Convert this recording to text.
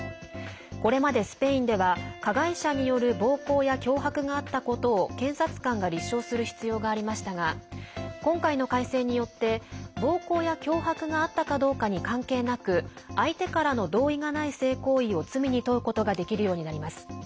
これまでスペインでは加害者による暴行や脅迫があったことを検察官が立証する必要がありましたが今回の改正によって暴行や脅迫があったかどうかに関係なく相手からの同意がない性行為を罪に問うことができるようになります。